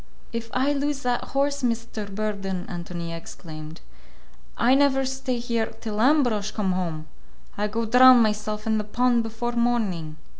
"If I lose that horse, Mr. Burden," Ántonia exclaimed, "I never stay here till Ambrosch come home! I go drown myself in the pond before morning."